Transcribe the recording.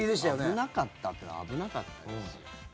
危なかったのは危なかったですよ。